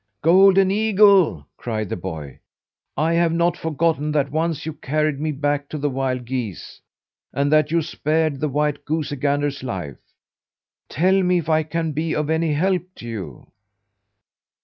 "Golden eagle!" cried the boy; "I have not forgotten that once you carried me back to the wild geese, and that you spared the white goosey gander's life! Tell me if I can be of any help to you!"